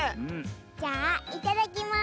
じゃあいただきます！